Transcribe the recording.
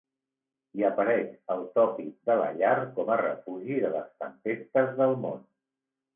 Hi apareix el tòpic de la llar com a refugi de les tempestes del món.